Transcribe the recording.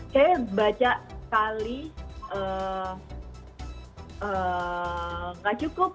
saya baca sekali gak cukup